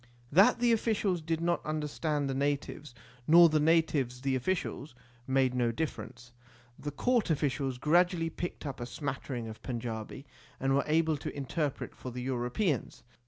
That the officials did not understand the natives, nor the natives the officials, made no difference. The court officials gradually picked up a smattering of Panjabi, and were able to interpret for the Europeans.